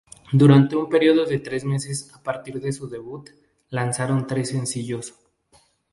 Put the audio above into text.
Durante un período de tres meses a partir de su debut, lanzaron tres sencillos.